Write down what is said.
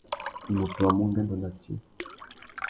Mutu a mú ungüêndô nà tsi.